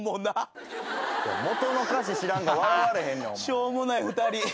しょうもない２人。